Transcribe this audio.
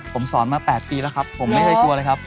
ผมสอนมา๘ปีแล้วครับผมไม่เคยกลัวเลยครับ